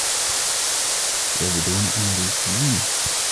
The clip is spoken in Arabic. يبدون أمريكيين.